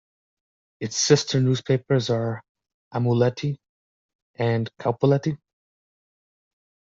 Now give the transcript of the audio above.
Its sister newspapers are "Aamulehti" and "Kauppalehti".